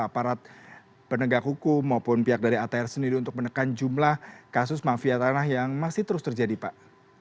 aparat penegak hukum maupun pihak dari atr sendiri untuk menekan jumlah kasus mafia tanah yang masih terus terjadi pak